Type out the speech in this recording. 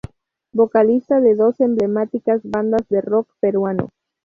Vocalista de dos emblemáticas bandas de rock peruano.